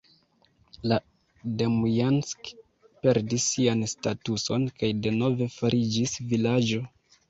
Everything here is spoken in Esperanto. La Demjansk perdis sian statuson kaj denove fariĝis vilaĝo.